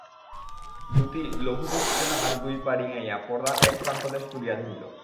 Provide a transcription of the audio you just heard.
দূতী লঘুগতিতে তাহার দুই পা ডিঙাইয়া পর্দার এক প্রান্তদেশ তুলিয়া ধরিল।